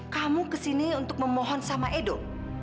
kamu kesini untuk memohon sama edo